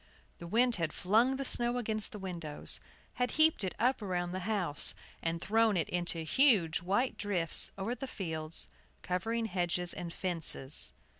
The wind had flung the snow against the windows, had heaped it up around the house, and thrown it into huge white drifts over the fields, covering hedges and fences.